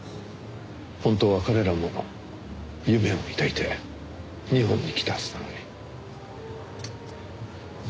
本当は彼らも夢を抱いて日本に来たはずなのに。